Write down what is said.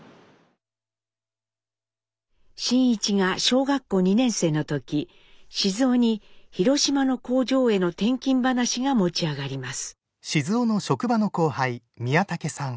真一が小学校２年生の時雄に広島の工場への転勤話が持ち上がります。